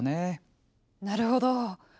なるほど。